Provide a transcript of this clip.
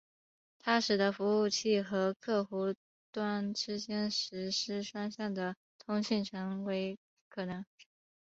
它使得服务器和客户端之间实时双向的通信成为可能。